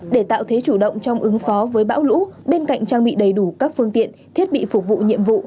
để tạo thế chủ động trong ứng phó với bão lũ bên cạnh trang bị đầy đủ các phương tiện thiết bị phục vụ nhiệm vụ